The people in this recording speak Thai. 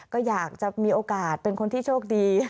ก็อยากจะมีโอกาสเป็นคนที่โชคดี